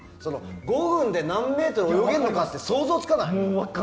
５分で何メートル泳げるのか想像つかない。